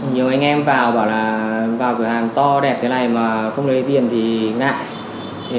nhiều anh em vào bảo là vào cửa hàng to đẹp cái này mà không lấy tiền thì ngại